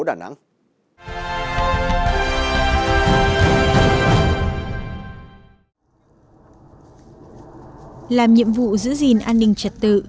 làm nhiệm vụ giữ gìn an ninh trật tự